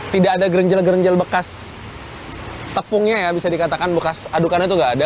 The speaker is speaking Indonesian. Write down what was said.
tidak ada gerenjel gerenjel bekas tepungnya ya bisa dikatakan bekas adukannya itu tidak ada